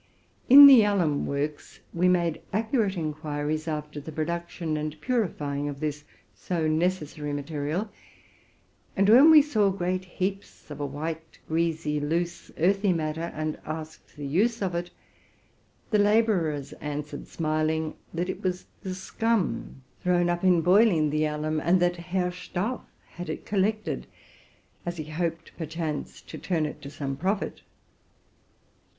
In the alum works we made accurate inquiries about the production and purifying of this so necessary mate rial; and when we saw great heaps of a white, greasy, loose, earthy matter, and asked the use of it, the laborers answered, smiling, that it was the scum thrown up in boiling the alum, and that Herr Stauf had it collected, as he hoped perchance to turn it to some profit.